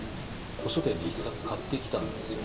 古書店で１冊買ってきたんですよ。